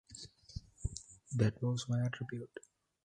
That was my attitude.